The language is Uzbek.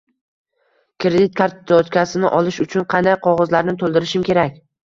Kredit kartochkasini olish uchun qanday qog’ozlarni to’ldirishim kerak?